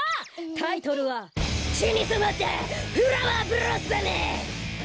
タイトルは「ちにそまったフラワーブロッサム」！